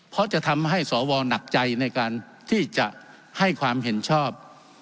เพราะจะทำให้สวหนักใจในการที่จะให้ความเห็นชอบ